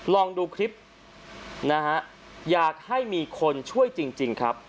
ลองดูคลิปนะฮะอยากให้มีคนช่วยจริงครับ